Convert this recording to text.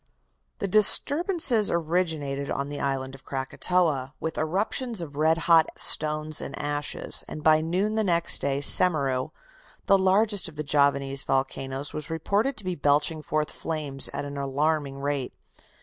"The disturbances originated on the island of Krakatoa, with eruptions of red hot stones and ashes, and by noon next day Semeru, the largest of the Javanese volcanoes, was reported to be belching forth flames at an alarming rate.